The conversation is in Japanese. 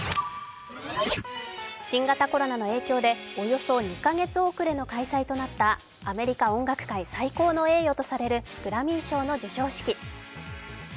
新型コロナの影響でおよそ２カ月遅れの開催となったアメリカ音楽界最高の栄誉とされるグラミー賞の授賞式。